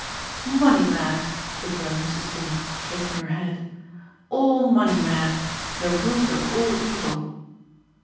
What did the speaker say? "Money mad!" returned Mrs. Kinney, shaking her head. "All money mad. The root of all evil."